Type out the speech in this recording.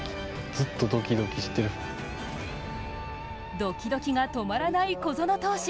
ドキドキが止まらない小園投手。